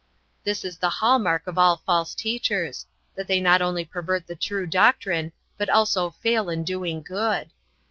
This is the hall mark of all false teachers, that they not only pervert the pure doctrine but also fail in doing good.